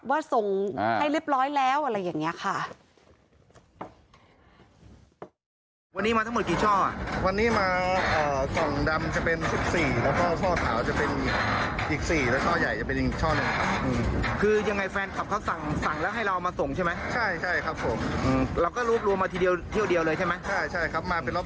ว่าส่งให้เรียบร้อยแล้วอะไรอย่างนี้ค่ะ